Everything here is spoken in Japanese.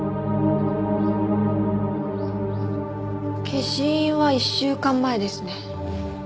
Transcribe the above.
消印は１週間前ですね。